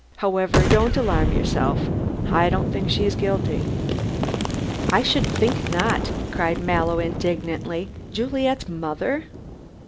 "However, don't alarm yourself. I don't think she is guilty." "I should think not," cried Mallow, indignantly. "Juliet's mother!"